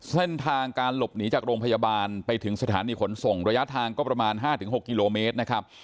เส้นทางการหลบหนีจากโรงพยาบาลไปถึงสถานีขนส่งระยะทางก็ประมาณ๕๖กิโลเมตรนะครับ